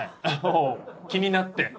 おお気になって？